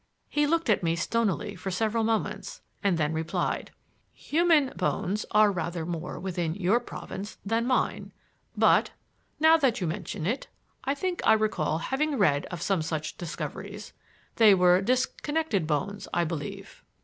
He looked at me stonily for some moments, and then replied: "Human bones are rather more within your province than mine, but, now that you mention it, I think I recall having read of some such discoveries. They were disconnected bones, I believe."